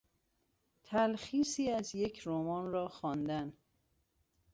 تلخیصی از یک رمان را خواندن